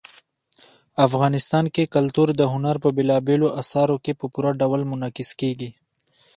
افغانستان کې کلتور د هنر په بېلابېلو اثارو کې په پوره ډول منعکس کېږي.